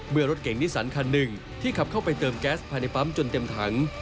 รถเก่งนิสันคันหนึ่งที่ขับเข้าไปเติมแก๊สภายในปั๊มจนเต็มถัง